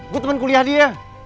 gue temen kuliah dia